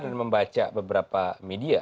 dan membaca beberapa media